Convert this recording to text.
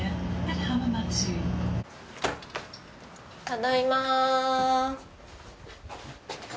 ただいま！